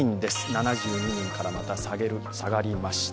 ７２人からまた下がりました。